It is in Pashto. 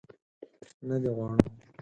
نه دې غواړو.